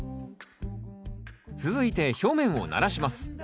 続いて表面をならします。